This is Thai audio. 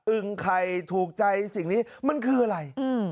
ึงไข่ถูกใจสิ่งนี้มันคืออะไร